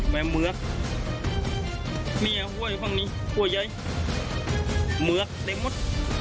แม่เมือกเนี้ยหัวอยู่ข้างนี้หัวเย้ยเมือกได้หมด